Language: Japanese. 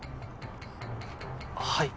はい。